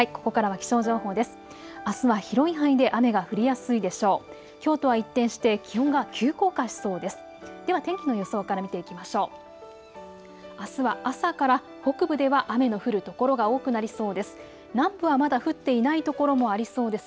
きょうとは一転して気温が急降下しそうです。